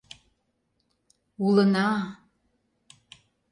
— Улына...